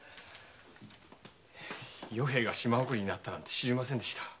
与平が島送りになったなんて知りませんでした。